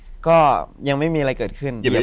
แล้วปรับก็ยังไม่มีอะไรเกิดขึ้น